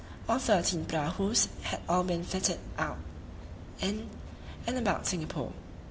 Our thirteen prahus had all been fitted out in and about Singapore.